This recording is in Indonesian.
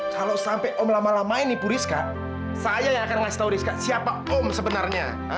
kalau sampai om lama lama ini bu rizka saya yang akan ngasih tahu rizka siapa om sebenarnya